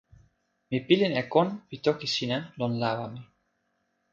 mi pilin e kon pi toki sina lon lawa mi.